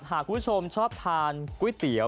หากคุณผู้ชมชอบทานก๋วยเตี๋ยว